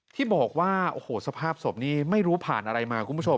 ที่บอกว่าโอ้โหสภาพศพนี้ไม่รู้ผ่านอะไรมาคุณผู้ชม